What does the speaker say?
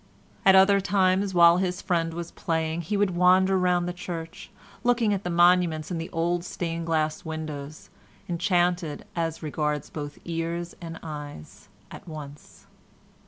At other times, while his friend was playing, he would wander round the church, looking at the monuments and the old stained glass windows, enchanted as regards both ears and eyes, at once.